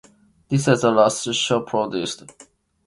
This was the last show produced.